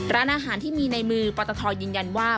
ร้านอาหารที่มีในมือปตทยืนยันว่า